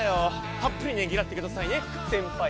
たっぷりねぎらってくださいね先輩方！